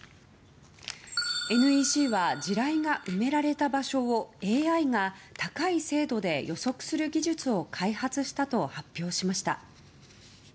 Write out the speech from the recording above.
ＮＥＣは地雷が埋められた場所をＡＩが高い精度で予測する技術を開発したと発表しました。